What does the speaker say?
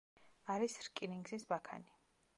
არის რკინიგზის ბაქანი.